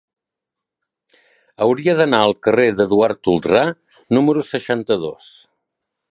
Hauria d'anar al carrer d'Eduard Toldrà número seixanta-dos.